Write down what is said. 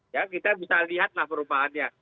ya kita bisa lihatlah perubahannya